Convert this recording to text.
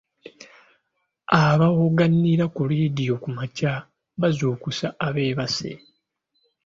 Abawogganira mu leediyo ku makya bazuukusa abeebase.